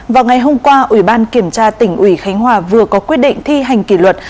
vào ngày hôm qua ủy ban kiểm tra tỉnh ủy khánh hòa vừa có quyết định thi hành kỷ luật